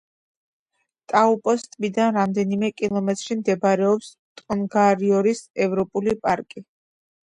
ტაუპოს ტბიდან რამდენიმე კილომეტრში მდებარეობს ტონგარიროს ეროვნული პარკი.